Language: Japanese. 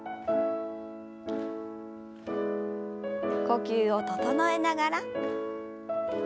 呼吸を整えながら。